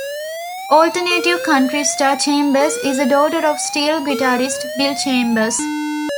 Alternative country star Chambers is the daughter of steel guitarist Bill Chambers.